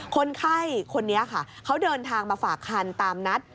คนไข้คนนี้ค่ะเขาเดินทางมาฝากคันตามนัด